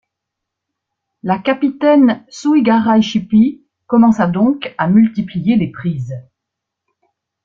La capitaine Suhigaraychipy commença donc à multiplier les prises.